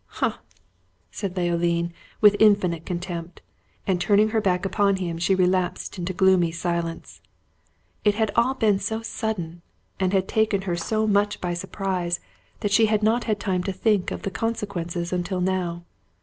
"Ha!" said Leoline, with infinite contempt, and turning her back upon him she relapsed into gloomy silence. It had all been so sudden, and had taken her so much by surprise, that she had not had time to think of the consequences until now.